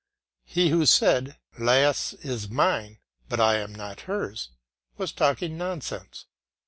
He who said, "Lais is mine, but I am not hers," was talking nonsense.